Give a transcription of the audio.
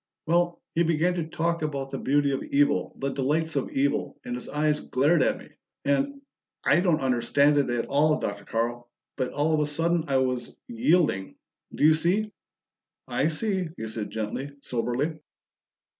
"Well he began to talk about the beauty of evil, the delights of evil, and his eyes glared at me, and I don't understand it at all, Dr. Carl, but all of a sudden I was yielding. Do you see?" "I see," he said gently, soberly.